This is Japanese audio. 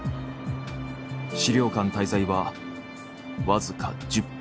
資料館滞在はわずか１０分。